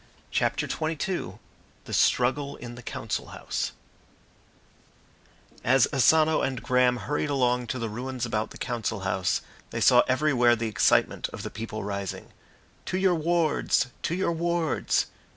CHAPTER XXII THE STRUGGLE IN THE COUNCIL HOUSE As Asano and Graham hurried along to the ruins about the Council House, they saw everywhere the excitement of the people rising. "To your wards! To your wards!"